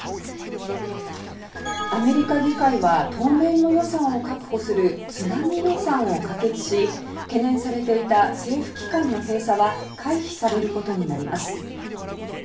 アメリカ議会は当面の予算を確保するつなぎ予算を可決し懸念されていた政府機関の閉鎖は回避されることになります。